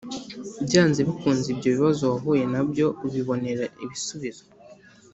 byanze bikunze ibyo bibazo wahuye na byo ubibonera ibisubizo.